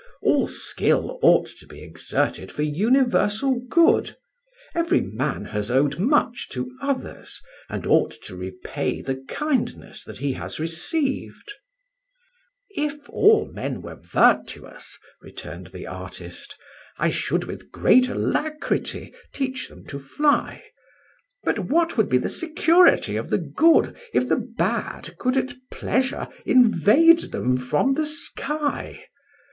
All skill ought to be exerted for universal good; every man has owed much to others, and ought to repay the kindness that he has received." "If men were all virtuous," returned the artist, "I should with great alacrity teach them to fly. But what would be the security of the good if the bad could at pleasure invade them from the sky?